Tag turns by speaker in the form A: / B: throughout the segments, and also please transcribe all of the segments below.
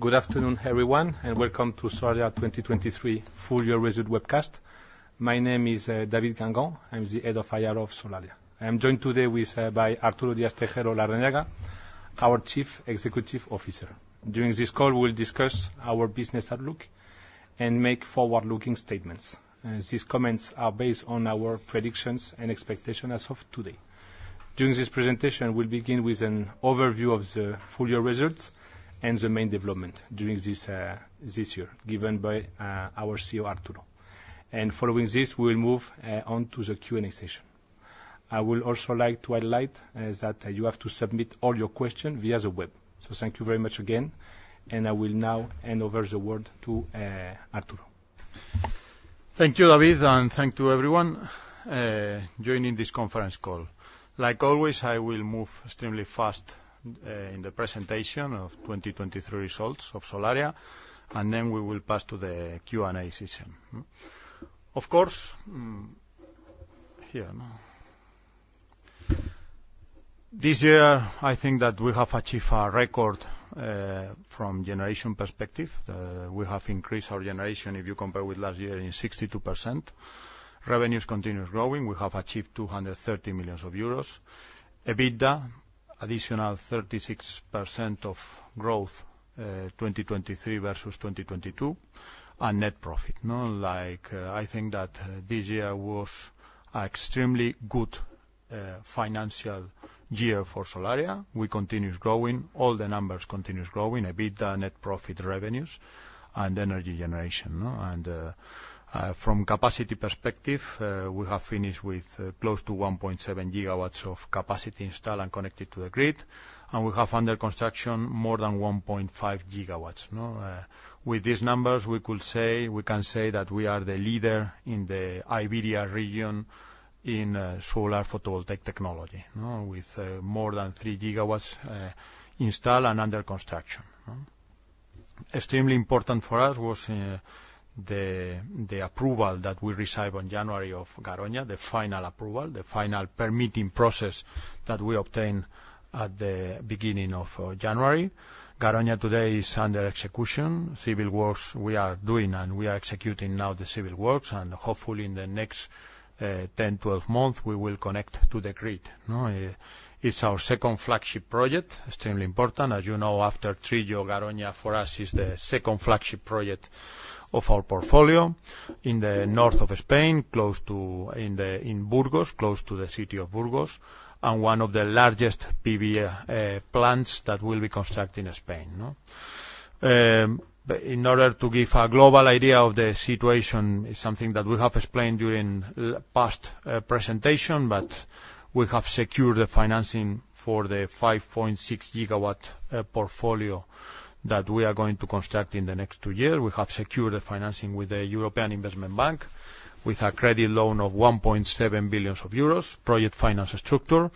A: Good afternoon, everyone, and welcome to Solaria 2023 Full Year Results Webcast. My name is David Guengant, I'm the Head of IR of Solaria. I'm joined today by Arturo Díaz-Tejeiro Larrañaga, our Chief Executive Officer. During this call we'll discuss our business outlook and make forward-looking statements. These comments are based on our predictions and expectations as of today. During this presentation we'll begin with an overview of the full year results and the main developments during this year, given by our CEO Arturo. Following this we'll move on to the Q&A session. I would also like to highlight that you have to submit all your questions via the web, so thank you very much again, and I will now hand over the word to Arturo.
B: Thank you, David, and thank you everyone joining this conference call. Like always I will move extremely fast in the presentation of 2023 results of Solaria and then we will pass to the Q&A session. Of course, this year I think that we have achieved a record from generation perspective. We have increased our generation if you compare with last year in 62%. Revenues continue growing, we have achieved 230 million euros. EBITDA, additional 36% of growth 2023 versus 2022, and net profit. I think that this year was an extremely good financial year for Solaria. We continue growing, all the numbers continue growing, EBITDA, net profit, revenues, and energy generation. From capacity perspective we have finished with close to 1.7 GW of capacity installed and connected to the grid, and we have under construction more than 1.5 GW. With these numbers we can say that we are the leader in the Iberia region in solar photovoltaic technology, with more than 3 GW installed and under construction. Extremely important for us was the approval that we received in January of Garoña, the final approval, the final permitting process that we obtained at the beginning of January. Garoña today is under execution, civil works we are doing and we are executing now the civil works, and hopefully in the next 10-12 months we will connect to the grid. It's our second flagship project, extremely important. As you know after Trillo, Garoña for us is the second flagship project of our portfolio in the north of Spain, in Burgos, close to the city of Burgos, and one of the largest PV plants that will be constructed in Spain. In order to give a global idea of the situation, it's something that we have explained during past presentations, but we have secured the financing for the 5.6 GW portfolio that we are going to construct in the next two years. We have secured the financing with the European Investment Bank, with a credit loan of 1.7 billion euros, project finance structure.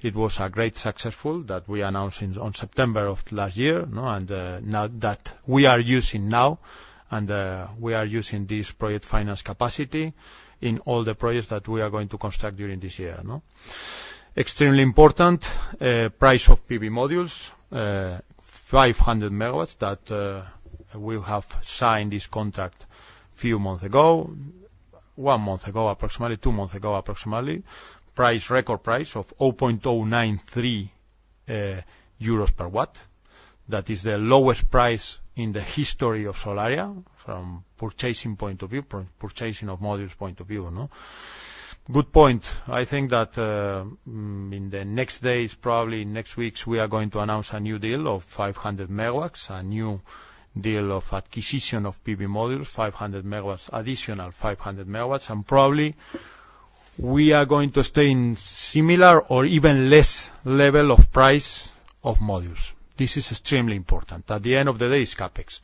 B: It was great successful that we announced in September of last year, and that we are using now, and we are using this project finance capacity in all the projects that we are going to construct during this year. Extremely important, price of PV modules, 500 MW that we have signed this contract a few months ago, one month ago, approximately, two months ago approximately, record price of 0.093 euros per watt. That is the lowest price in the history of Solaria from purchasing point of view, from purchasing of modules point of view. Good point. I think that in the next days, probably next weeks we are going to announce a new deal of 500 MW, a new deal of acquisition of PV modules, 500 MW, additional 500 MW, and probably we are going to stay in similar or even less level of price of modules. This is extremely important. At the end of the day it's CapEx.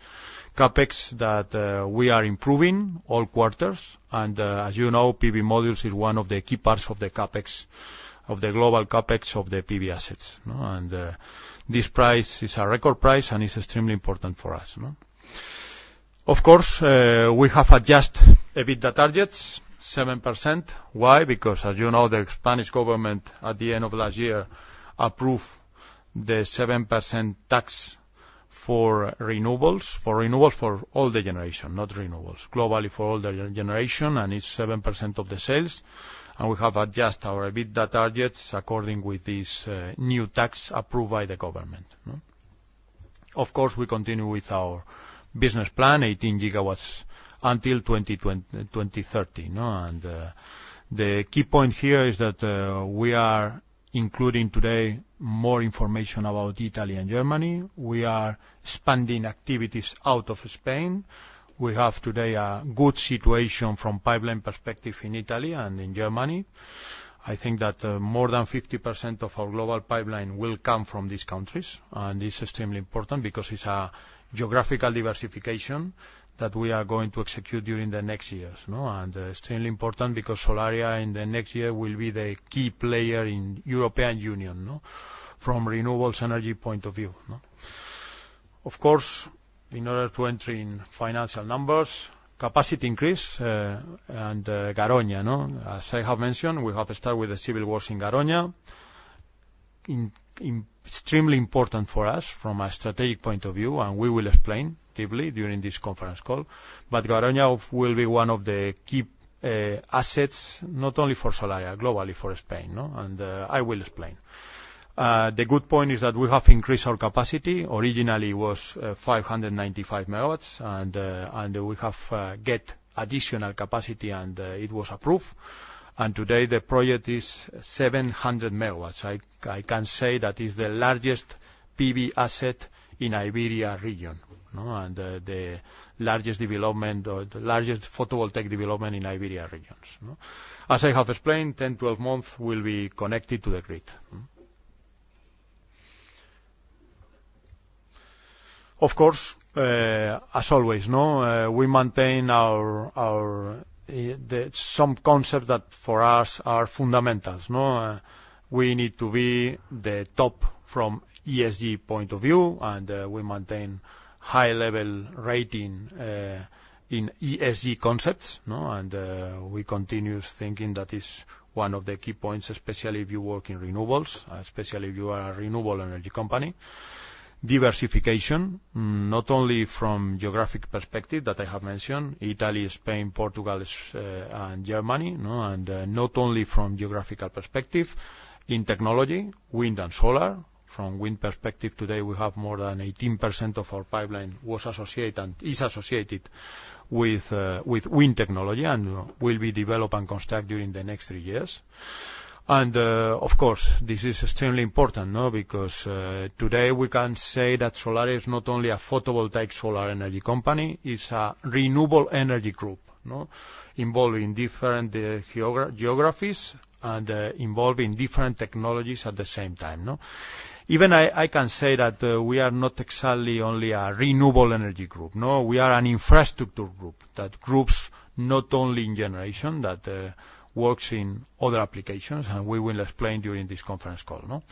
B: CapEx that we are improving all quarters, and as you know PV modules is one of the key parts of the CapEx, of the global CapEx of the PV assets. And this price is a record price and it's extremely important for us. Of course we have adjusted EBITDA targets, 7%. Why? Because as you know the Spanish government at the end of last year approved the 7% tax for renewables, for renewables for all the generation, not renewables. Globally for all the generation and it's 7% of the sales, and we have adjusted our EBITDA targets according with this new tax approved by the government. Of course we continue with our business plan, 18 GW until 2030, and the key point here is that we are including today more information about Italy and Germany. We are expanding activities out of Spain. We have today a good situation from pipeline perspective in Italy and in Germany. I think that more than 50% of our global pipeline will come from these countries, and it's extremely important because it's a geographical diversification that we are going to execute during the next years. Extremely important because Solaria in the next year will be the key player in the European Union from a renewable energy point of view. Of course, in order to enter in financial numbers, capacity increase and Garoña. As I have mentioned, we have started with the civil works in Garoña. Extremely important for us from a strategic point of view, and we will explain deeply during this conference call, but Garoña will be one of the key assets, not only for Solaria, globally for Spain, and I will explain. The good point is that we have increased our capacity. Originally it was 595 MW, and we have got additional capacity and it was approved, and today the project is 700 MW. I can say that it's the largest PV asset in the Iberia region, and the largest development, the largest photovoltaic development in the Iberia regions. As I have explained, 10-12 months will be connected to the grid. Of course, as always, we maintain some concepts that for us are fundamental. We need to be the top from ESG point of view, and we maintain high-level rating in ESG concepts, and we continue thinking that it's one of the key points, especially if you work in renewables, especially if you are a renewable energy company. Diversification, not only from geographic perspective that I have mentioned, Italy, Spain, Portugal, and Germany, and not only from geographical perspective. In technology, wind and solar. From wind perspective today we have more than 18% of our pipeline was associated and is associated with wind technology and will be developed and constructed during the next three years. Of course this is extremely important because today we can say that Solaria is not only a photovoltaic solar energy company, it's a renewable energy group involving different geographies and involving different technologies at the same time. Even I can say that we are not exactly only a renewable energy group. We are an infrastructure group that groups not only in generation, that works in other applications, and we will explain during this conference call.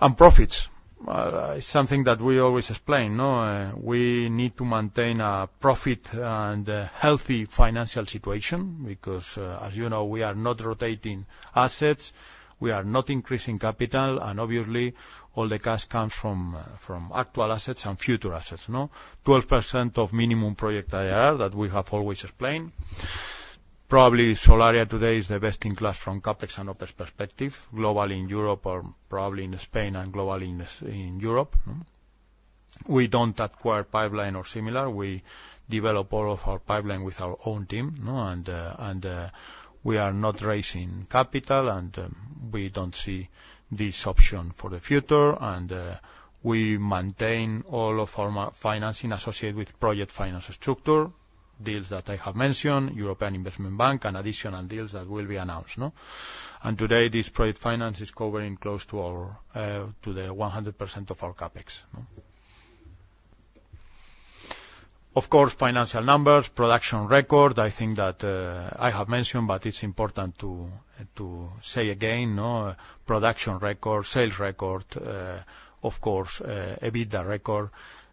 B: And profits, it's something that we always explain. We need to maintain a profit and healthy financial situation because as you know we are not rotating assets, we are not increasing capital, and obviously all the cash comes from actual assets and future assets. 12% minimum project IRR that we have always explained. Probably Solaria today is the best in class from CapEx and OpEx perspective, globally in Europe or probably in Spain and globally in Europe. We don't acquire pipeline or similar. We develop all of our pipeline with our own team, and we are not raising capital, and we don't see this option for the future, and we maintain all of our financing associated with project finance structure, deals that I have mentioned, European Investment Bank, and additional deals that will be announced. Today this project finance is covering close to 100% of our CapEx. Of course, financial numbers, production record, I think that I have mentioned but it's important to say again, production record, sales record, of course EBITDA record.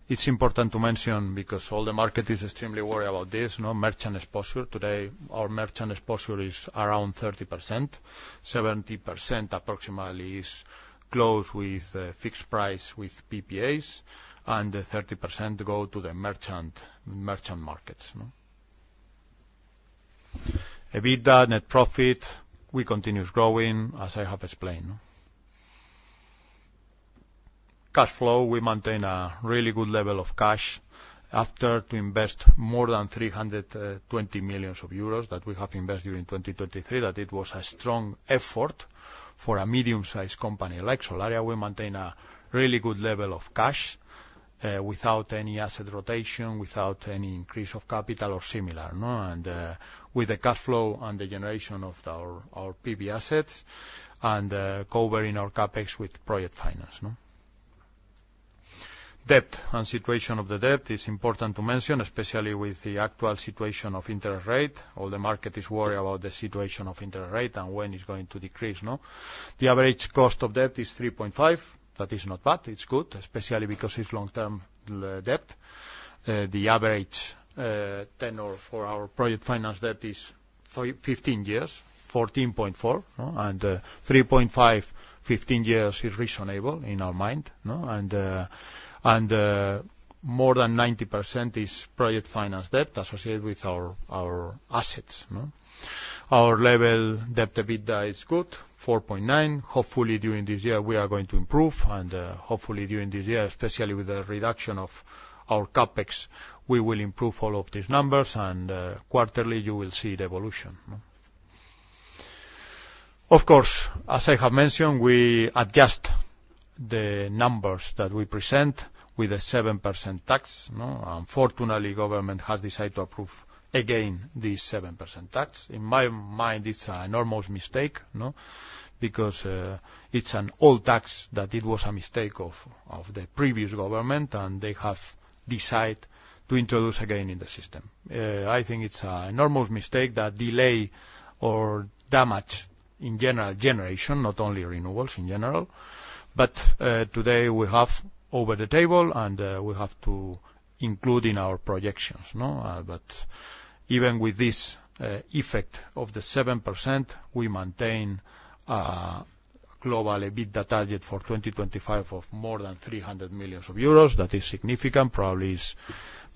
B: It's important to mention because all the market is extremely worried about this, merchant exposure. Today our merchant exposure is around 30%. 70% approximately is closed with fixed price with PPAs, and 30% go to the merchant markets. EBITDA, net profit, we continue growing as I have explained. Cash flow, we maintain a really good level of cash after to invest more than 320 million euros that we have invested during 2023, that it was a strong effort for a medium-sized company like Solaria. We maintain a really good level of cash without any asset rotation, without any increase of capital or similar, and with the cash flow and the generation of our PV assets and covering our CapEx with project finance. Debt and situation of the debt is important to mention, especially with the actual situation of interest rate. All the market is worried about the situation of interest rate and when it's going to decrease. The average cost of debt is 3.5, that is not bad, it's good, especially because it's long-term debt. The average tenor for our project finance debt is 15 years, 14.4, and 3.5, 15 years is reasonable in our mind, and more than 90% is project finance debt associated with our assets. Our level debt EBITDA is good, 4.9. Hopefully during this year we are going to improve, and hopefully during this year, especially with the reduction of our CapEx, we will improve all of these numbers, and quarterly you will see the evolution. Of course, as I have mentioned, we adjust the numbers that we present with a 7% tax. Unfortunately, the government has decided to approve again this 7% tax. In my mind, it's an enormous mistake because it's an old tax that it was a mistake of the previous government and they have decided to introduce again in the system. I think it's an enormous mistake that delay or damage in general generation, not only renewables in general, but today we have over the table and we have to include in our projections. But even with this effect of the 7%, we maintain a global EBITDA target for 2025 of more than 300 million euros. That is significant, probably it's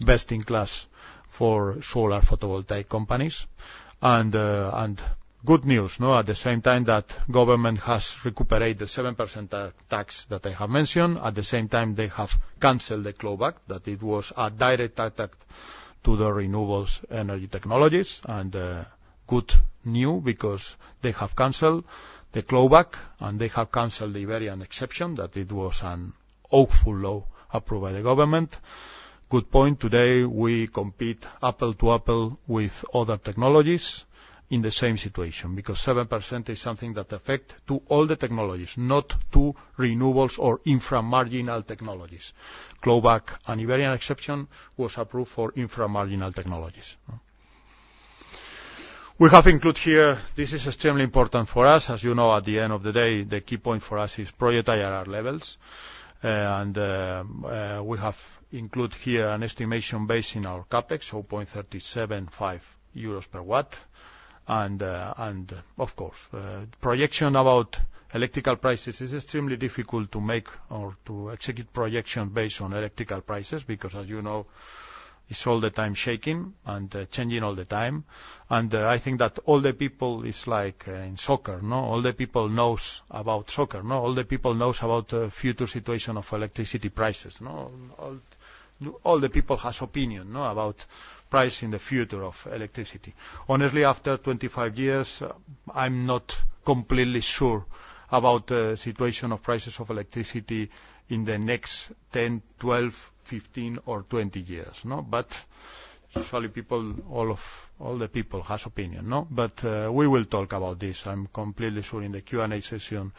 B: best in class for solar photovoltaic companies. And good news, at the same time that government has recuperated 7% tax that I have mentioned, at the same time they have cancelled the clawback, that it was a direct attack to the renewables energy technologies. Good news because they have canceled the Clawback and they have canceled the Iberian Exception, that it was an awful loan approved by the government. Good point, today we compete apple to apple with other technologies in the same situation because 7% is something that affects all the technologies, not to renewables or infra-marginal technologies. Clawback and Iberian Exception was approved for infra-marginal technologies. We have included here, this is extremely important for us, as you know at the end of the day the key point for us is project IRR levels, and we have included here an estimation based in our CapEx, 0.375 euros per watt. Of course, projection about electrical prices, it's extremely difficult to make or to execute projection based on electrical prices because as you know it's all the time shaking and changing all the time. I think that all the people it's like in soccer, all the people know about soccer, all the people know about the future situation of electricity prices. All the people have an opinion about price in the future of electricity. Honestly, after 25 years I'm not completely sure about the situation of prices of electricity in the next 10, 12, 15, or 20 years. But usually people, all the people have an opinion. But we will talk about this, I'm completely sure in the Q&A session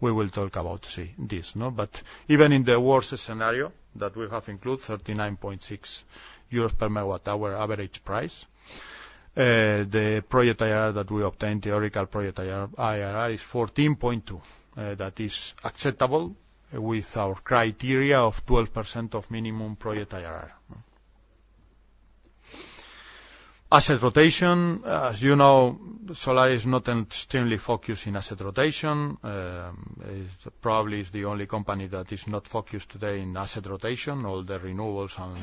B: we will talk about this. But even in the worst scenario that we have included, 39.6 euros per megawatt hour average price, the project IRR that we obtained, theoretical project IRR is 14.2, that is acceptable with our criteria of 12% of minimum project IRR. Asset rotation, as you know Solaria is not extremely focused in asset rotation. It probably is the only company that is not focused today in asset rotation. All the renewables and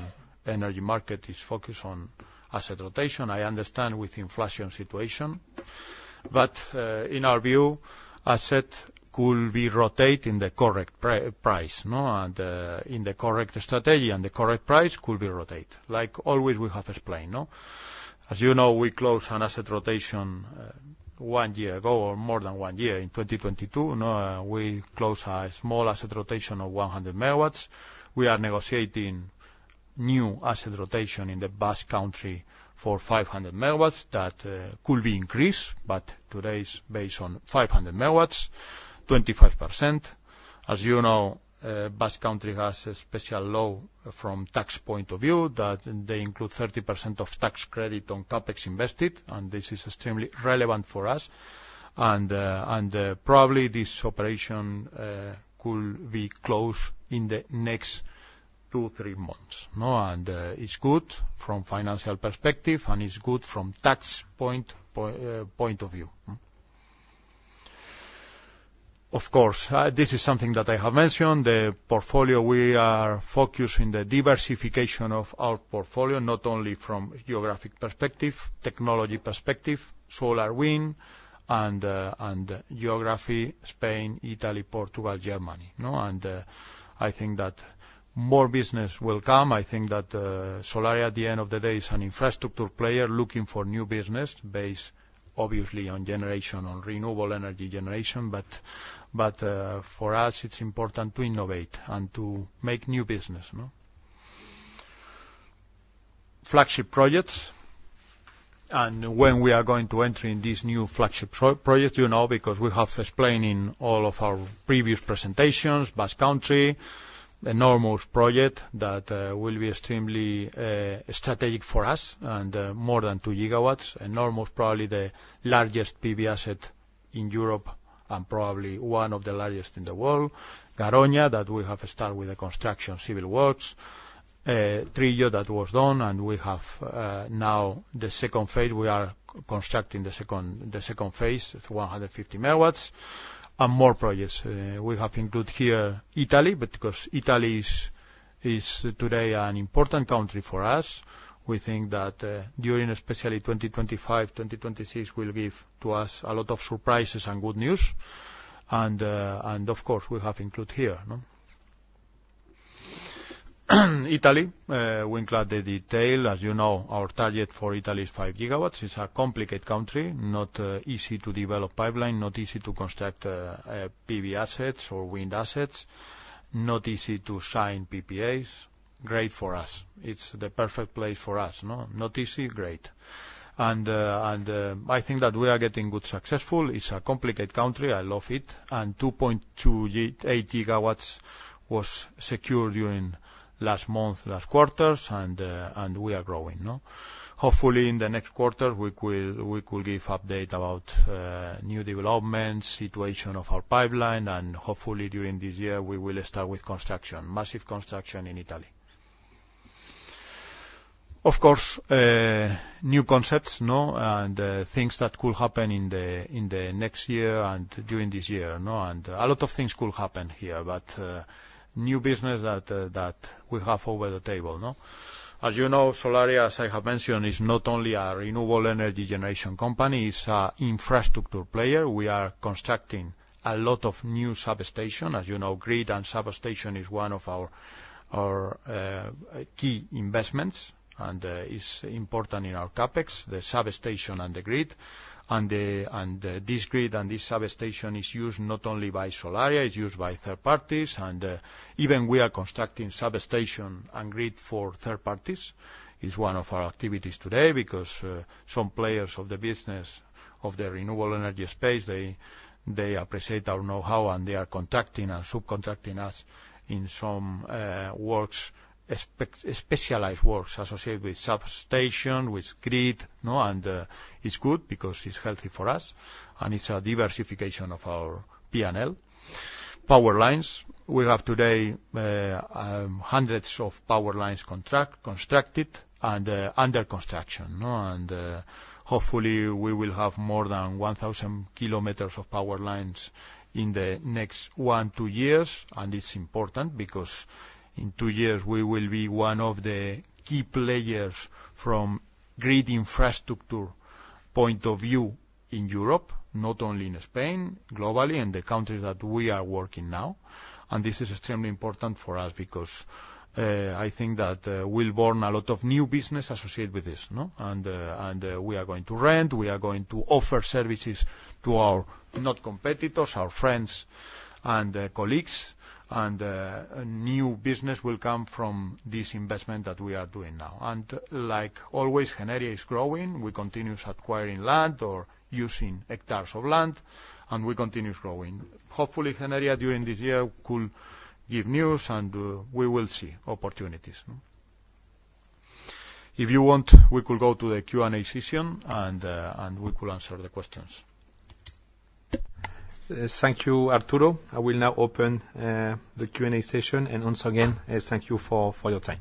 B: energy market is focused on asset rotation. I understand with inflation situation. But in our view, assets could be rotated in the correct price and in the correct strategy, and the correct price could be rotated. Like always we have explained. As you know, we closed an asset rotation one year ago or more than one year in 2022. We closed a small asset rotation of 100 MW. We are negotiating new asset rotation in the Basque Country for 500 MW that could be increased, but today it's based on 500 MW, 25%. As you know, Basque Country has a special law from tax point of view that they include 30% of tax credit on CapEx invested, and this is extremely relevant for us. Probably this operation could be closed in the next two to three months. It's good from financial perspective and it's good from tax point of view. Of course, this is something that I have mentioned, the portfolio we are focused in the diversification of our portfolio, not only from geographic perspective, technology perspective, solar wind, and geography Spain, Italy, Portugal, Germany. I think that more business will come. I think that Solaria at the end of the day is an infrastructure player looking for new business based obviously on generation, on renewable energy generation, but for us it's important to innovate and to make new business. Flagship projects, and when we are going to enter in these new flagship projects you know because we have explained in all of our previous presentations, Basque Country, enormous project that will be extremely strategic for us and more than 2 GW, enormous probably the largest PV asset in Europe and probably one of the largest in the world, Garoña that we have started with the construction, civil works, Trillo that was done and we have now the second phase, we are constructing the second phase, it's 150 MW, and more projects. We have included here Italy because Italy is today an important country for us. We think that during especially 2025, 2026 will give to us a lot of surprises and good news. Of course we have included here Italy, we include the detail. As you know our target for Italy is 5 GW. It's a complicated country, not easy to develop pipeline, not easy to construct PV assets or wind assets, not easy to sign PPAs. Great for us, it's the perfect place for us. Not easy, great. And I think that we are getting good successful. It's a complicated country, I love it, and 2.28 GW was secured during last month, last quarter, and we are growing. Hopefully in the next quarter we could give an update about new developments, situation of our pipeline, and hopefully during this year we will start with construction, massive construction in Italy. Of course, new concepts and things that could happen in the next year and during this year. And a lot of things could happen here, but new business that we have over the table. As you know Solaria, as I have mentioned, is not only a renewable energy generation company, it's an infrastructure player. We are constructing a lot of new substations. As you know, grid and substation is one of our key investments, and it's important in our CapEx, the substation and the grid. This grid and this substation is used not only by Solaria, it's used by third parties, and even we are constructing substation and grid for third parties. It's one of our activities today because some players of the business of the renewable energy space, they appreciate our know-how and they are contracting and subcontracting us in some works, specialized works associated with substation, with grid, and it's good because it's healthy for us and it's a diversification of our P&L. Power lines, we have today hundreds of power lines constructed and under construction. Hopefully we will have more than 1,000 km of power lines in the next one to two years, and it's important because in two years we will be one of the key players from grid infrastructure point of view in Europe, not only in Spain, globally and the countries that we are working now. And this is extremely important for us because I think that will born a lot of new business associated with this. And we are going to rent, we are going to offer services to our not competitors, our friends and colleagues, and new business will come from this investment that we are doing now. And like always Generia is growing, we continue acquiring land or using hectares of land and we continue growing. Hopefully Generia during this year could give news and we will see opportunities. If you want, we could go to the Q&A session and we could answer the questions.
A: Thank you, Arturo. I will now open the Q&A session and once again thank you for your time.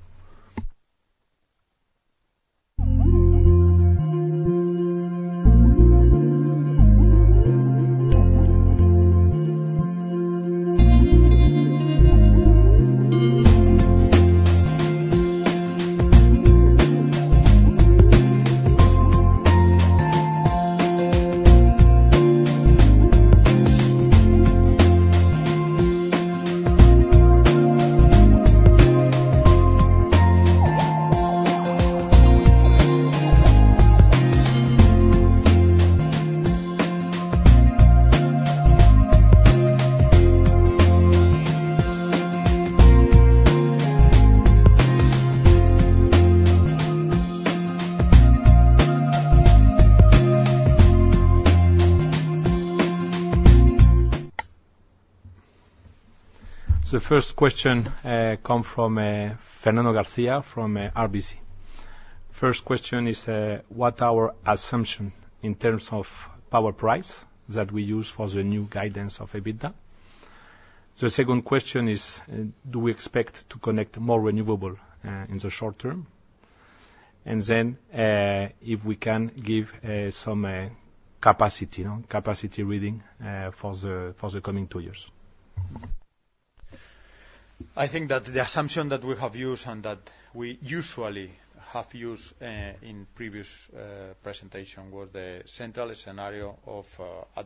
A: The first question comes from Fernando Garcia from RBC. First question is what our assumption in terms of power price that we use for the new guidance of EBITDA. The second question is do we expect to connect more renewable in the short term? And then if we can give some capacity, capacity reading for the coming two years.
B: I think that the assumption that we have used and that we usually have used in previous presentation was the central scenario of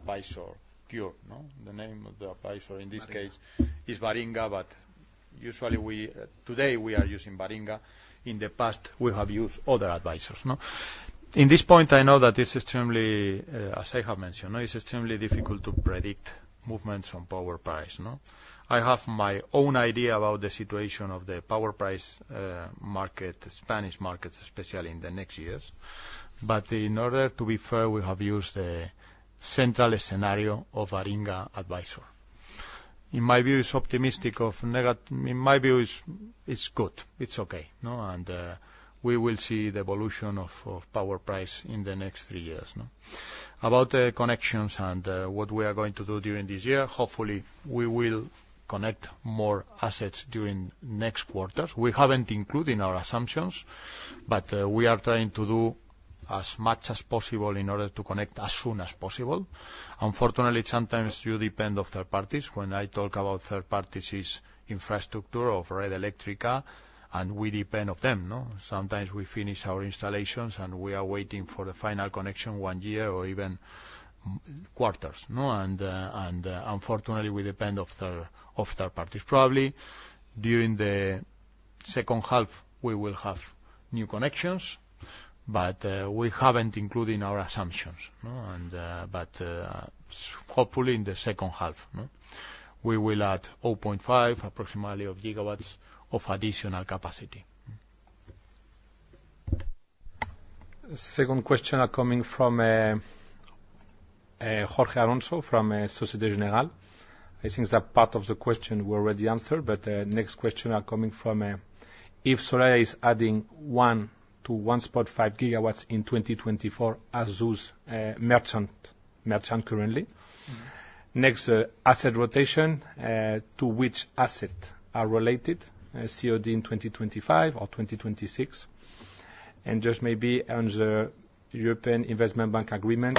B: Baringa. The name of the advisor in this case is Baringa, but usually today we are using Baringa. In the past we have used other advisors. In this point I know that it's extremely, as I have mentioned, it's extremely difficult to predict movements on power price. I have my own idea about the situation of the power price market, Spanish market especially in the next years, but in order to be fair we have used the central scenario of Baringa advisor. In my view it's optimistic or negative in my view it's good, it's okay, and we will see the evolution of power price in the next three years. About the connections and what we are going to do during this year, hopefully we will connect more assets during next quarter. We haven't included our assumptions, but we are trying to do as much as possible in order to connect as soon as possible. Unfortunately sometimes you depend on third parties. When I talk about third parties it's infrastructure of Red Eléctrica and we depend on them. Sometimes we finish our installations and we are waiting for the final connection one year or even quarters. And unfortunately we depend on third parties. Probably during the second half we will have new connections, but we haven't included our assumptions. But hopefully in the second half we will add approximately 0.5 GW of additional capacity.
A: Second question is coming from Jorge Alonso from Société Générale. I think that part of the question we already answered, but the next question is coming from if Solaria is adding 1 GW-1.5 GW in 2024 as per merchant currently. Next asset rotation, to which asset are related, COD in 2025 or 2026? And just maybe on the European Investment Bank agreement,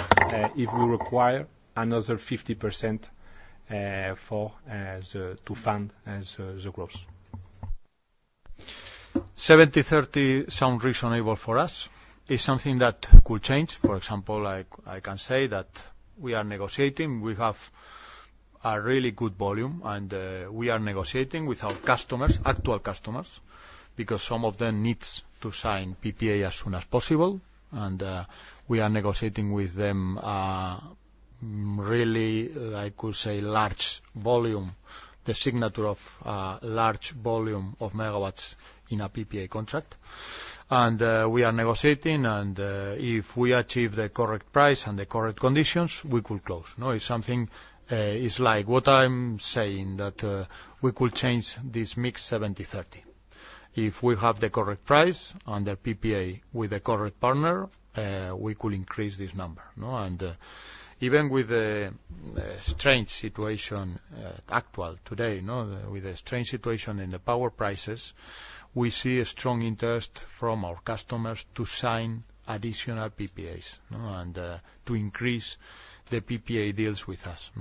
A: if we require another 50% to fund the growth.
B: 70/30 sound reasonable for us. It's something that could change. For example, I can say that we are negotiating, we have a really good volume and we are negotiating with our customers, actual customers, because some of them need to sign PPA as soon as possible and we are negotiating with them really I could say large volume, the signature of large volume of megawatts in a PPA contract. And we are negotiating and if we achieve the correct price and the correct conditions we could close. It's something it's like what I'm saying that we could change this mix 70/30. If we have the correct price under PPA with the correct partner we could increase this number. Even with the strange situation actually today, with the strange situation in the power prices, we see a strong interest from our customers to sign additional PPAs and to increase the PPA deals with us.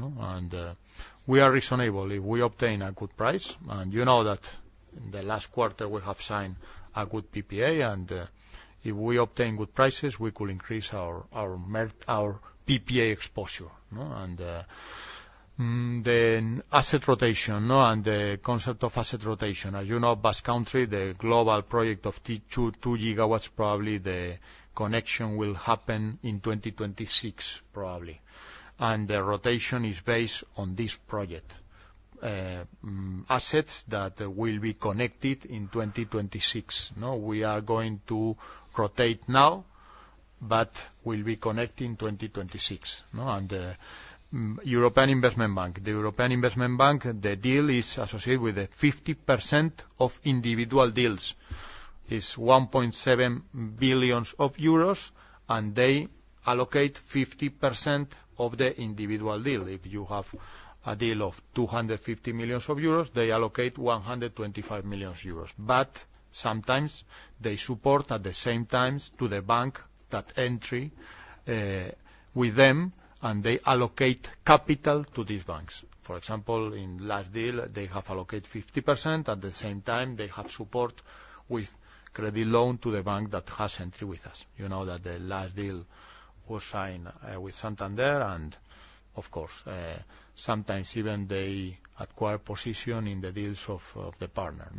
B: We are reasonable if we obtain a good price, and you know that in the last quarter we have signed a good PPA and if we obtain good prices we could increase our PPA exposure. Then asset rotation and the concept of asset rotation. As you know Basque Country, the global project of 2 GW probably the connection will happen in 2026 probably. The rotation is based on this project, assets that will be connected in 2026. We are going to rotate now but will be connected in 2026. European Investment Bank, the European Investment Bank the deal is associated with 50% of individual deals. It's 1.7 billion euros and they allocate 50% of the individual deal. If you have a deal of 250 million euros they allocate 125 million euros. But sometimes they support at the same time to the bank that entered with them and they allocate capital to these banks. For example, in last deal they have allocated 50%, at the same time they have support with credit loan to the bank that has entered with us. You know that the last deal was signed with Santander and of course sometimes even they acquire position in the deals of the partner.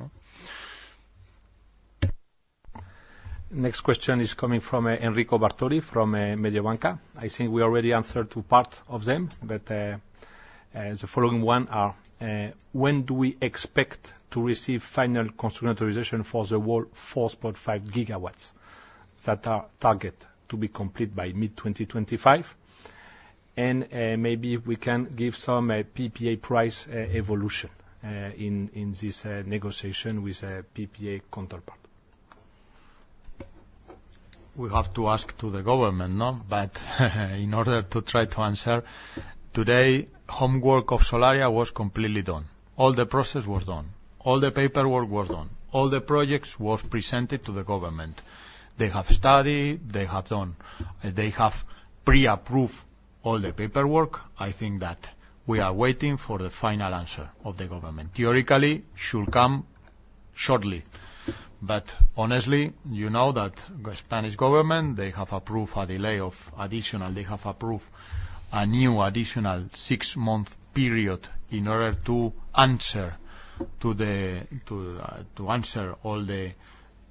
A: Next question is coming from Enrico Bartoli from Mediobanca. I think we already answered to part of them, but the following one are: when do we expect to receive final construction authorization for the 4.5 GW that are target to be complete by mid-2025? And maybe if we can give some PPA price evolution in this negotiation with a PPA counterpart.
B: We have to ask to the government, but in order to try to answer, today homework of Solaria was completely done. All the process was done. All the paperwork was done. All the projects was presented to the government. They have studied, they have done, they have pre-approved all the paperwork. I think that we are waiting for the final answer of the government. Theoretically should come shortly. But honestly you know that Spanish government they have approved a delay of additional, they have approved a new additional six-month period in order to answer all the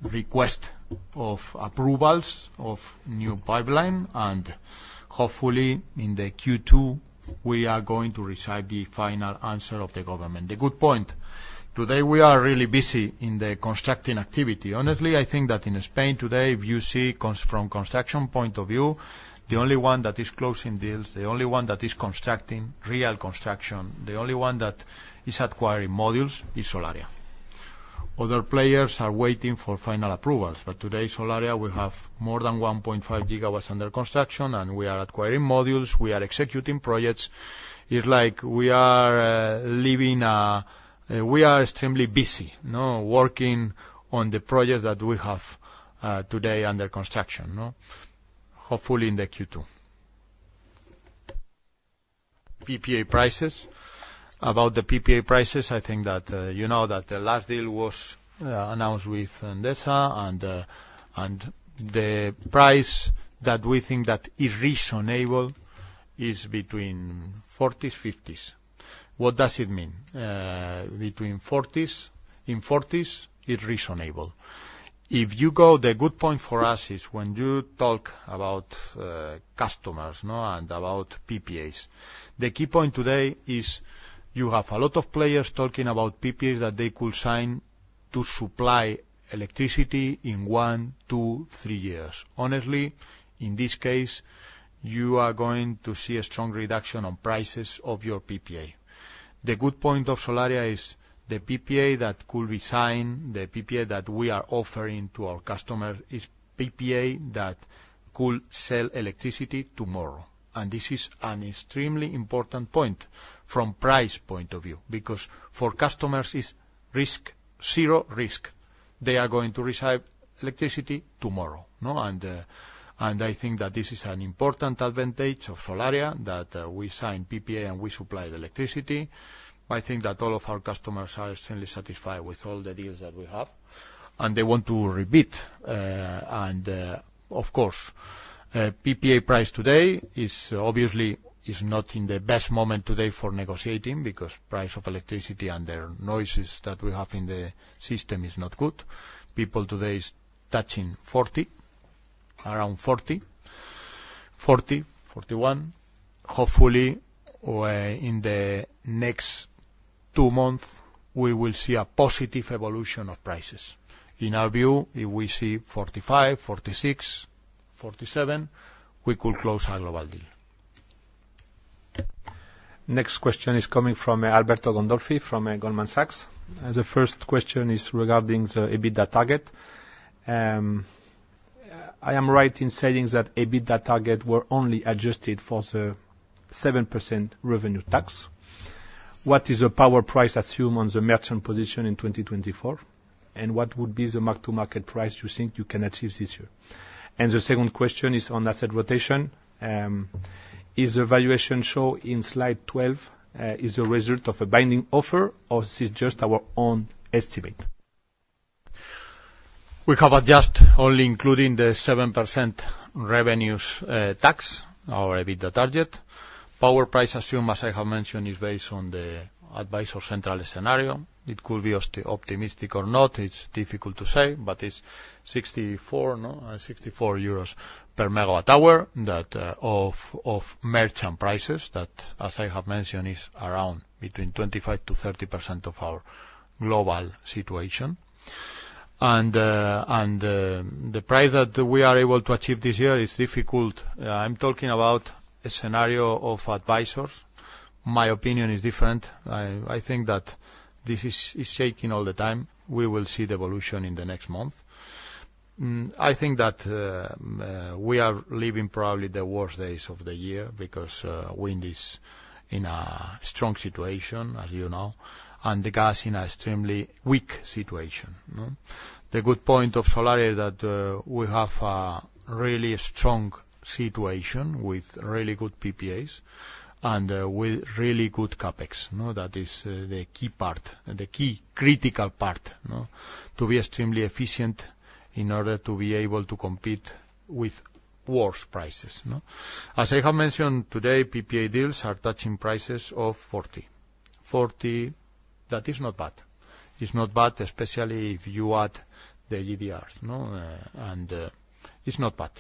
B: request of approvals of new pipeline and hopefully in the Q2 we are going to receive the final answer of the government. The good point, today we are really busy in the constructing activity. Honestly, I think that in Spain today, if you see from construction point of view, the only one that is closing deals, the only one that is constructing real construction, the only one that is acquiring modules is Solaria. Other players are waiting for final approvals, but today Solaria, we have more than 1.5 GW under construction and we are acquiring modules, we are executing projects. It's like we are living, we are extremely busy working on the project that we have today under construction. Hopefully in the Q2. PPA prices, about the PPA prices I think that you know that the last deal was announced with Endesa and the price that we think that is reasonable is between EUR 40s-EUR 50s. What does it mean? Between 40s, in 40s is reasonable. If you go the good point for us is when you talk about customers and about PPAs. The key point today is you have a lot of players talking about PPAs that they could sign to supply electricity in one, two, three years. Honestly in this case you are going to see a strong reduction on prices of your PPA. The good point of Solaria is the PPA that could be signed, the PPA that we are offering to our customers is PPA that could sell electricity tomorrow. And this is an extremely important point from price point of view because for customers it's risk, zero risk. They are going to receive electricity tomorrow. And I think that this is an important advantage of Solaria that we sign PPA and we supply the electricity. I think that all of our customers are extremely satisfied with all the deals that we have and they want to repeat. Of course, PPA price today is obviously not in the best moment today for negotiating because price of electricity and the noises that we have in the system is not good. People today is touching 40, around 40, 40, 41. Hopefully, in the next two months we will see a positive evolution of prices. In our view, if we see 45, 46, 47 we could close a global deal.
A: Next question is coming from Alberto Gandolfi from Goldman Sachs. The first question is regarding the EBITDA target. I am right in saying that EBITDA target were only adjusted for the 7% revenue tax. What is the power price assume on the merchant position in 2024 and what would be the mark-to-market price you think you can achieve this year? And the second question is on asset rotation. Is the valuation show in slide 12 is the result of a binding offer or is this just our own estimate?
B: We covered just only including the 7% revenues tax, our EBITDA target. Power price assumption as I have mentioned is based on the advisor central scenario. It could be optimistic or not, it's difficult to say, but it's 64 euros per megawatt hour of merchant prices that as I have mentioned is around between 25%-30% of our global situation. The price that we are able to achieve this year is difficult. I'm talking about a scenario of advisors. My opinion is different. I think that this is shaking all the time. We will see the evolution in the next month. I think that we are living probably the worst days of the year because wind is in a strong situation as you know and the gas in an extremely weak situation. The good point of Solaria is that we have a really strong situation with really good PPAs and with really good CapEx. That is the key part, the key critical part to be extremely efficient in order to be able to compete with worse prices. As I have mentioned today, PPA deals are touching prices of 40. 40, that is not bad. It's not bad especially if you add the GDRs and it's not bad.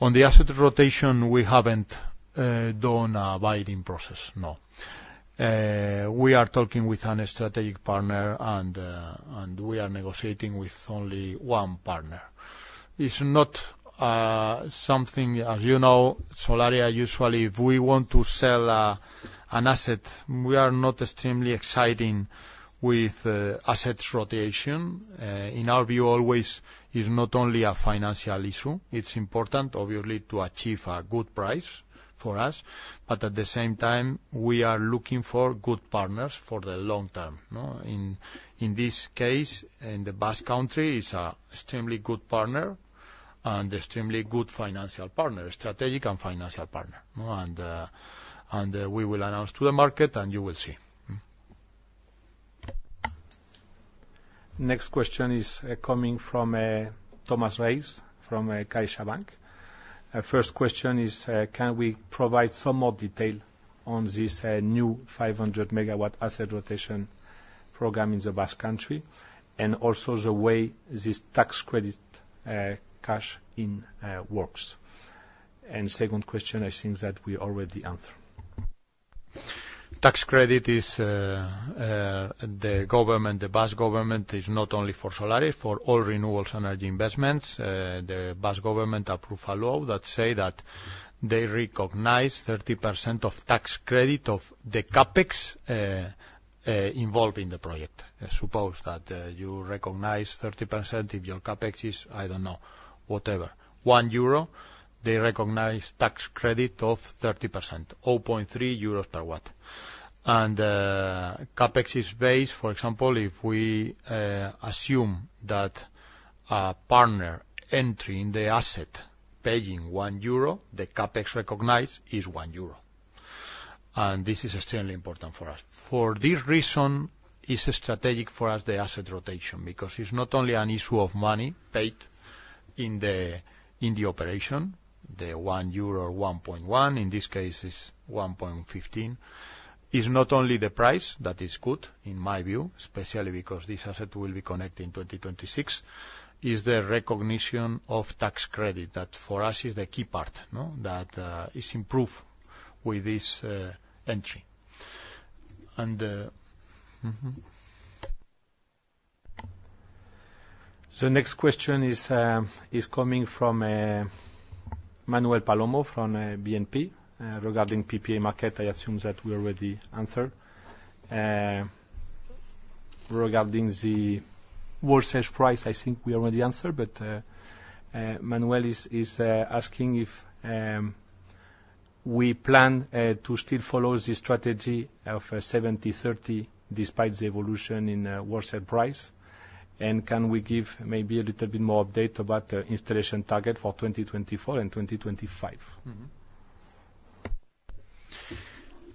B: On the asset rotation we haven't done a binding process, no. We are talking with a strategic partner and we are negotiating with only one partner. It's not something as you know Solaria usually if we want to sell an asset we are not extremely excited with assets rotation. In our view always it's not only a financial issue. It's important obviously to achieve a good price for us, but at the same time we are looking for good partners for the long term. In this case in the Basque Country it's an extremely good partner and extremely good financial partner, strategic and financial partner. We will announce to the market and you will see.
A: Next question is coming from Tomas Reyes from CaixaBank. First question is: Can we provide some more detail on this new 500 MW asset rotation program in the Basque Country and also the way this tax credit cash-in works? And second question I think that we already answered.
B: tax credit is the government, the Basque government is not only for Solaria, for all renewables energy investments. The Basque government approved a law that say that they recognize 30% of tax credit of the CapEx involved in the project. Suppose that you recognize 30% if your CapEx is, I don't know, whatever, 1 euro, they recognize tax credit of 30%, 0.3 euros per watt. And CapEx is based for example if we assume that a partner entry in the asset paying 1 euro, the CapEx recognized is 1 euro. And this is extremely important for us. For this reason it's strategic for us the asset rotation because it's not only an issue of money paid in the operation, the 1 euro or 1.1, in this case it's 1.15, it's not only the price that is good in my view, especially because this asset will be connected in 2026, it's the recognition of tax credit that for us is the key part that is improved with this entry. And.
A: The next question is coming from Manuel Palomo from BNP regarding PPA market. I assume that we already answered. Regarding the wholesale price, I think we already answered, but Manuel is asking if we plan to still follow this strategy of 70/30 despite the evolution in wholesale price and can we give maybe a little bit more update about the installation target for 2024 and 2025?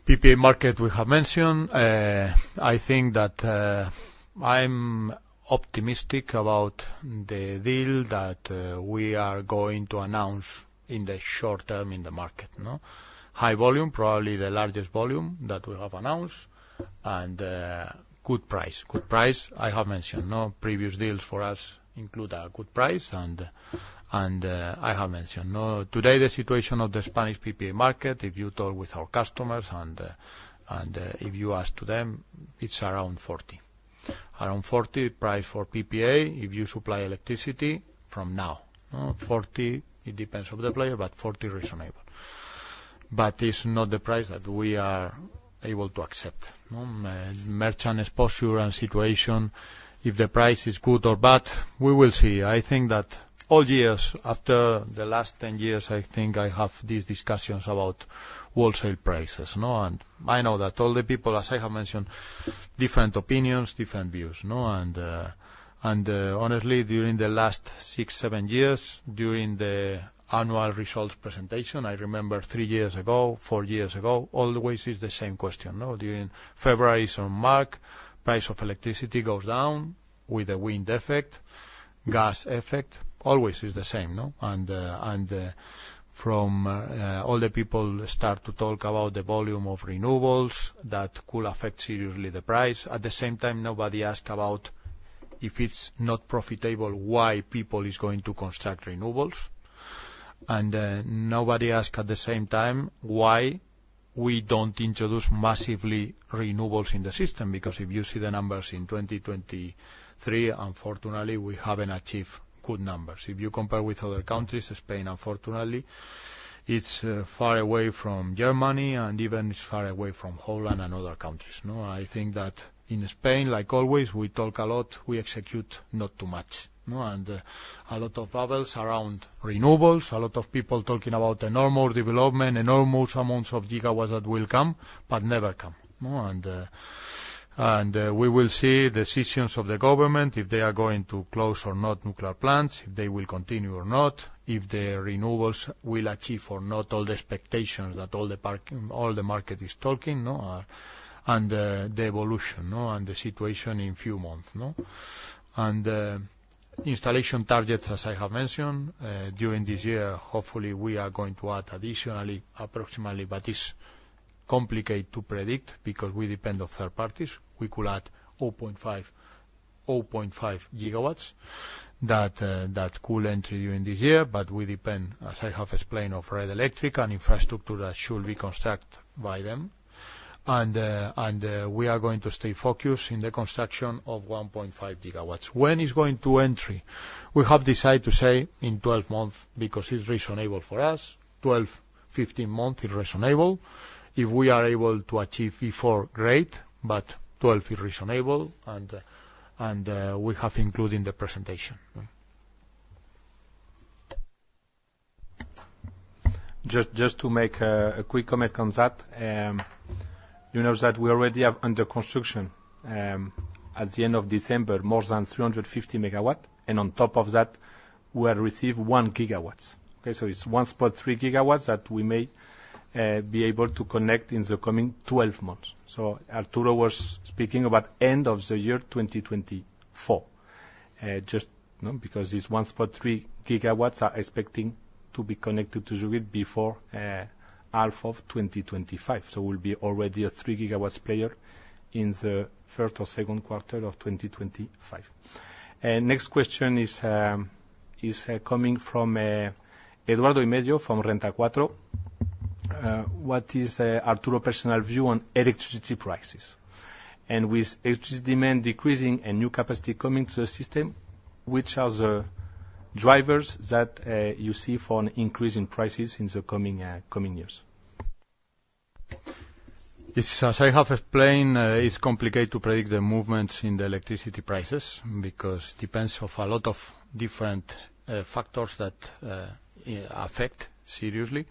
B: PPA market we have mentioned. I think that I'm optimistic about the deal that we are going to announce in the short term in the market. High volume, probably the largest volume that we have announced and good price. Good price I have mentioned. Previous deals for us include a good price and I have mentioned. Today the situation of the Spanish PPA market if you talk with our customers and if you ask to them it's around 40. Around 40 price for PPA if you supply electricity from now. 40, it depends on the player, but 40 reasonable. But it's not the price that we are able to accept. Merchant posture and situation, if the price is good or bad, we will see. I think that all years after the last 10 years I think I have these discussions about wholesale prices. I know that all the people as I have mentioned different opinions, different views. Honestly during the last six, seven years, during the annual results presentation, I remember three years ago, four years ago, always it's the same question. During February or March, price of electricity goes down with the wind effect, gas effect, always it's the same. And from all the people start to talk about the volume of renewables that could affect seriously the price. At the same time nobody ask about if it's not profitable why people is going to construct renewables. And nobody ask at the same time why we don't introduce massively renewables in the system because if you see the numbers in 2023 unfortunately we haven't achieved good numbers. If you compare with other countries, Spain unfortunately it's far away from Germany and even it's far away from Holland and other countries. I think that in Spain, like always, we talk a lot, we execute not too much. A lot of bubbles around renewables, a lot of people talking about enormous development, enormous amounts of gigawatts that will come, but never come. We will see decisions of the government if they are going to close or not nuclear plants, if they will continue or not, if the renewables will achieve or not all the expectations that all the market is talking and the evolution and the situation in few months. Installation targets as I have mentioned, during this year hopefully we are going to add additionally approximately, but it's complicated to predict because we depend on third parties. We could add 0.5 GW that could enter during this year, but we depend as I have explained of Red Eléctrica and infrastructure that should be constructed by them. We are going to stay focused in the construction of 1.5 GW. When it's going to enter? We have decided to say in 12 months because it's reasonable for us. 12, 15 months is reasonable. If we are able to achieve Q4 great, but 12 is reasonable and we have included in the presentation.
A: Just to make a quick comment on that, you know that we already have under construction at the end of December more than 350 MW and on top of that we have received 1 GW. So it's 1.3 GW that we may be able to connect in the coming 12 months. So Arturo was speaking about end of the year 2024 just because this 1.3 GW are expecting to be connected to the grid before half of 2025. So we'll be already a 3 GW player in the first or second quarter of 2025. Next question is coming from Eduardo Imedio from Renta 4: what is Arturo's personal view on electricity prices? And with electricity demand decreasing and new capacity coming to the system, which are the drivers that you see for an increase in prices in the coming years?
B: As I have explained, it's complicated to predict the movements in the electricity prices because it depends on a lot of different factors that affect seriously.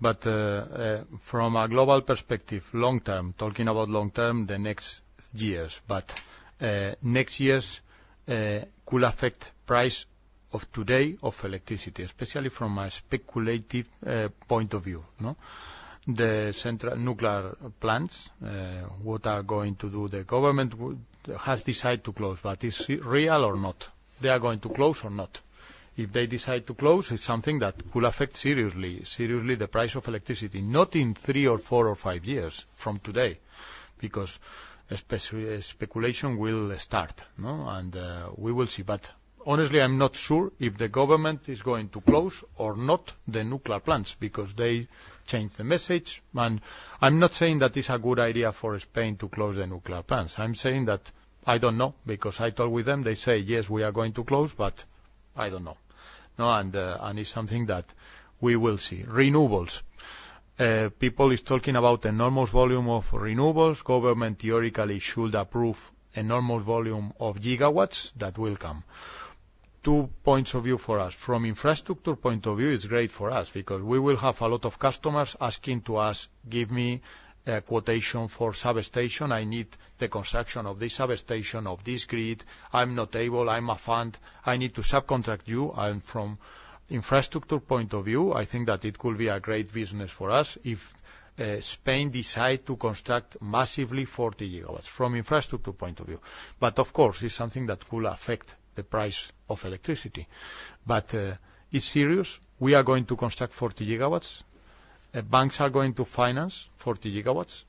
B: But from a global perspective, long term, talking about long term, the next years, but next years could affect price of today of electricity, especially from a speculative point of view. The central nuclear plants, what are going to do? The government has decided to close, but is it real or not? They are going to close or not? If they decide to close, it's something that could affect seriously, seriously the price of electricity, not in three or four or five years from today because speculation will start and we will see. But honestly I'm not sure if the government is going to close or not the nuclear plants because they changed the message. I'm not saying that it's a good idea for Spain to close the nuclear plants. I'm saying that I don't know because I talk with them, they say, "Yes, we are going to close," but I don't know. It's something that we will see. Renewables. People is talking about enormous volume of renewables. Government theoretically should approve enormous volume of gigawatts that will come. Two points of view for us. From infrastructure point of view it's great for us because we will have a lot of customers asking to us, "Give me a quotation for substation. I need the construction of this substation, of this grid. I'm not able, I'm a fund, I need to subcontract you." From infrastructure point of view, I think that it could be a great business for us if Spain decides to construct massively 40 GW from infrastructure point of view. Of course it's something that could affect the price of electricity. It's serious. We are going to construct 40 GW. Banks are going to finance 40 GW.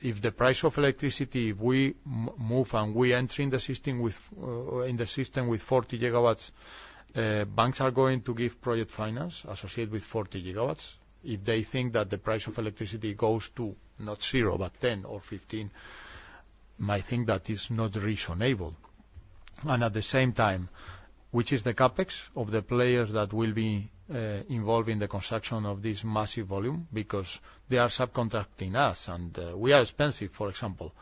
B: If the price of electricity we move and we enter in the system with 40 GW, banks are going to give project finance associated with 40 GW. If they think that the price of electricity goes to not zero but 10 or 15, I think that is not reasonable. At the same time, which is the CapEx of the players that will be involved in the construction of this massive volume? Because they are subcontracting us and we are expensive, for example.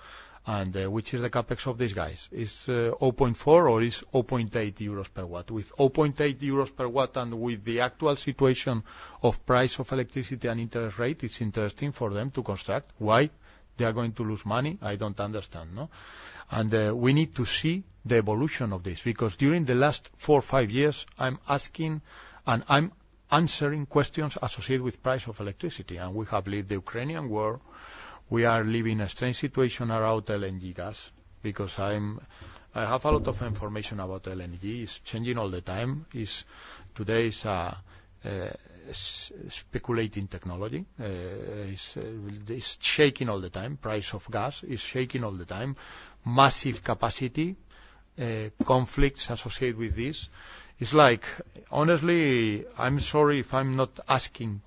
B: Which is the CapEx of these guys? It's 0.4 or it's 0.8 euros per watt? With 0.8 euros per watt and with the actual situation of price of electricity and interest rate, it's interesting for them to construct. Why? They are going to lose money. I don't understand. And we need to see the evolution of this because during the last four, five years I'm asking and I'm answering questions associated with price of electricity. And we have lived the Ukrainian war. We are living a strange situation around LNG gas because I have a lot of information about LNG. It's changing all the time. Today it's speculating technology. It's shaking all the time. Price of gas is shaking all the time. Massive capacity conflicts associated with this. It's like, honestly, I'm sorry if I'm not asking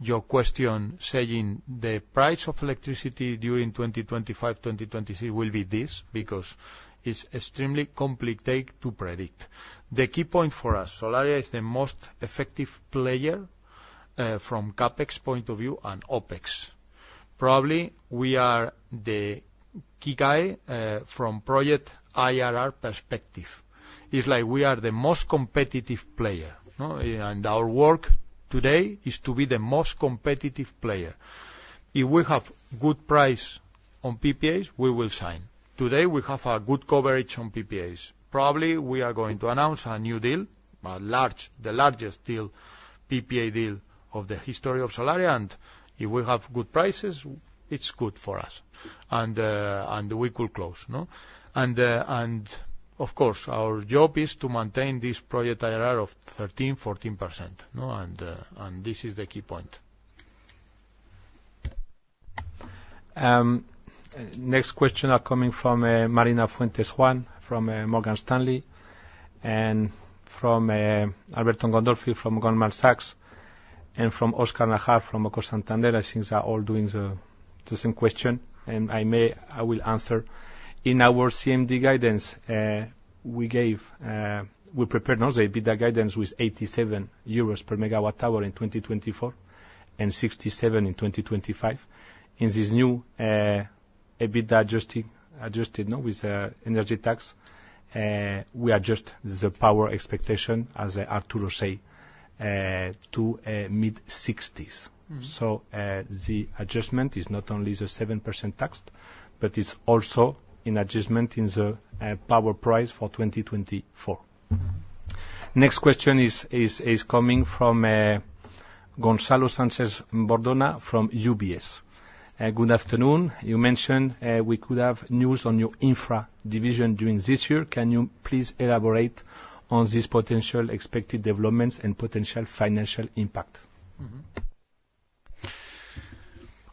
B: your question saying the price of electricity during 2025, 2026 will be this because it's extremely complicated to predict. The key point for us, Solaria is the most effective player from CapEx point of view and OpEx. Probably we are the key guy from project IRR perspective. It's like we are the most competitive player. Our work today is to be the most competitive player. If we have good price on PPAs, we will sign. Today we have a good coverage on PPAs. Probably we are going to announce a new deal, the largest deal, PPA deal of the history of Solaria. If we have good prices, it's good for us and we could close. Of course our job is to maintain this project IRR of 13%-14%. This is the key point.
A: Next question is coming from Marina Fuentes Juan from Morgan Stanley and from Alberto Gandolfi from Goldman Sachs and from Oscar Najar from Santander. I think they are all doing the same question and I will answer. In our CMD guidance, we prepared EBITDA guidance with 87 euros per megawatt hour in 2024 and 67 in 2025. In this new EBITDA adjusted with energy tax, we adjust the power expectation as Arturo said to mid-60s. So the adjustment is not only the 7% tax, but it's also an adjustment in the power price for 2024. Next question is coming from Gonzalo Sánchez Bordona from UBS. Good afternoon. You mentioned we could have news on your infra division during this year. Can you please elaborate on this potential expected developments and potential financial impact?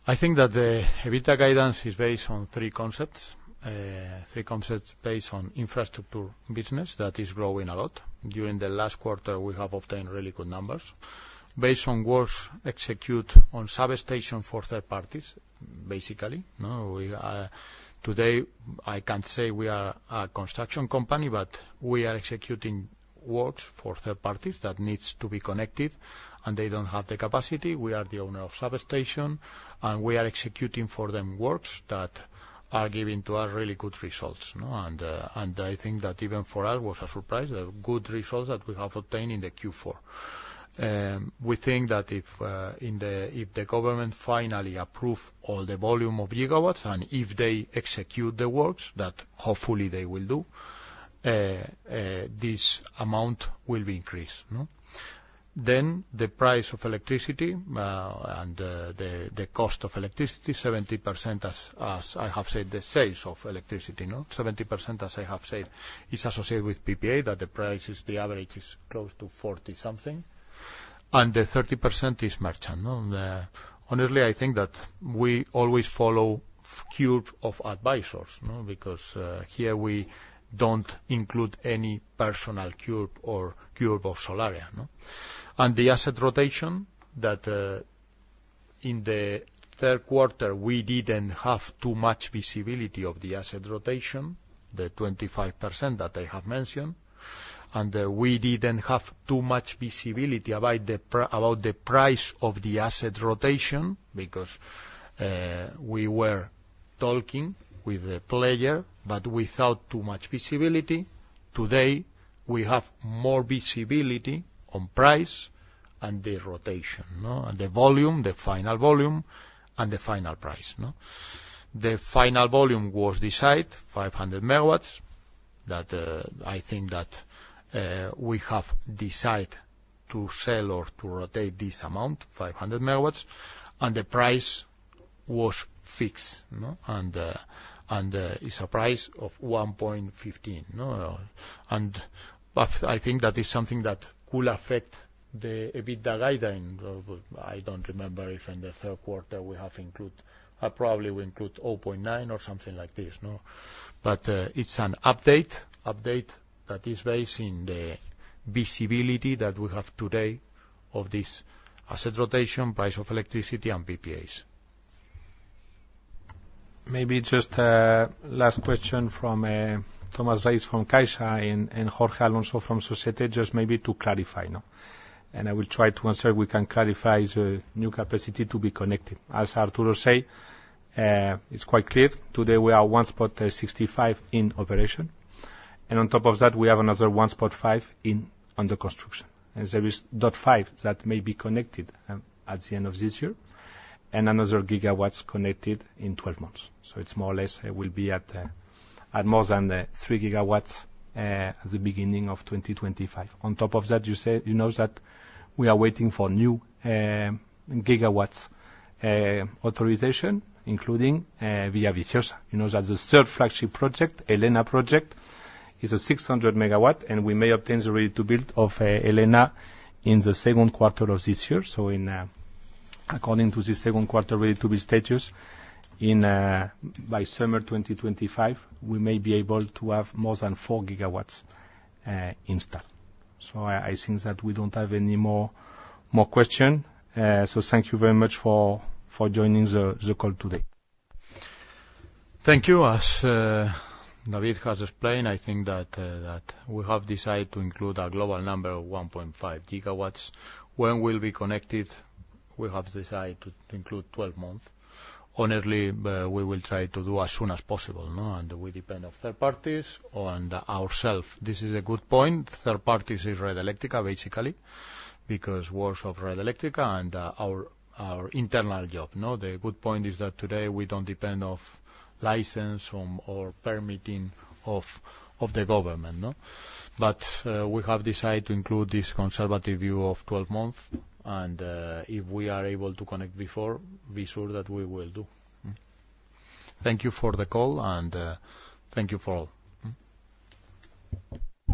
B: I think that the EBITDA guidance is based on three concepts. Three concepts based on infrastructure business that is growing a lot. During the last quarter we have obtained really good numbers. Based on works executed on substation for third parties, basically. Today I can't say we are a construction company, but we are executing works for third parties that need to be connected and they don't have the capacity. We are the owner of substation and we are executing for them works that are giving to us really good results. And I think that even for us was a surprise, the good results that we have obtained in the Q4. We think that if the government finally approves all the volume of gigawatts and if they execute the works, that hopefully they will do, this amount will be increased. Then the price of electricity and the cost of electricity, 70% as I have said, the sales of electricity, 70% as I have said is associated with PPA, that the price is the average is close to 40 something. The 30% is merchant. Honestly, I think that we always follow a view of advisors because here we don't include any personal view or view of Solaria. The asset rotation that in the third quarter we didn't have too much visibility of the asset rotation, the 25% that I have mentioned. We didn't have too much visibility about the price of the asset rotation because we were talking with the player, but without too much visibility. Today we have more visibility on price and the rotation and the volume, the final volume and the final price. The final volume was decided, 500 MW, that I think that we have decided to sell or to rotate this amount, 500 MW. The price was fixed and it's a price of 1.15. I think that is something that could affect the EBITDA guidance. I don't remember if in the third quarter we have included, probably we include 0.9 or something like this. It's an update that is based in the visibility that we have today of this asset rotation, price of electricity and PPAs.
A: Maybe just last question from Thomas Reyes from Caixa Bank and Jorge Alonso from Société Générale, just maybe to clarify. And I will try to answer if we can clarify the new capacity to be connected. As Arturo said, it's quite clear. Today we are 1.65 in operation. And on top of that, we have another 1.5 under construction. And there is 0.5 that may be connected at the end of this year and another gigawatts connected in 12 months. So it's more or less it will be at more than 3 GW at the beginning of 2025. On top of that, you know that we are waiting for new gigawatts authorization including Villaviciosa. You know that the third flagship project, Elena project, is a 600 MW and we may obtain the ready-to-build of Elena in the second quarter of this year. According to this second quarter Ready-to-Build status, by summer 2025 we may be able to have more than 4 GW installed. I think that we don't have any more questions. Thank you very much for joining the call today.
B: Thank you. As David has explained, I think that we have decided to include a global number of 1.5 GW. When we'll be connected, we have decided to include 12 months. Honestly, we will try to do as soon as possible. We depend on third parties and ourselves. This is a good point. Third parties is Red Eléctrica, basically, because works of Red Eléctrica and our internal job. The good point is that today we don't depend on license or permitting of the government. We have decided to include this conservative view of 12 months. If we are able to connect before, be sure that we will do. Thank you for the call and thank you for all.